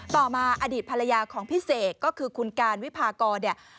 ต่อมาอดีตภรรยาของพี่เสกก็คือคุณการวิพากรเนี่ย